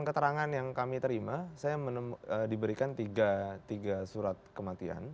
keterangan yang kami terima saya diberikan tiga surat kematian